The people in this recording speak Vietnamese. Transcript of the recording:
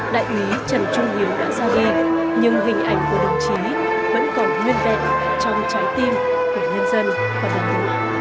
đại quý trần trung hiếu đã giao ghi nhưng hình ảnh của đồng chí vẫn còn nguyên vẹn trong trái tim của nhân dân và đồng chí